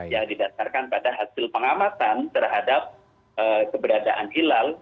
yang didasarkan pada hasil pengamatan terhadap keberadaan hilal